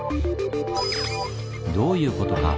どういうことか？